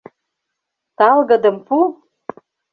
Талгыдым пу!..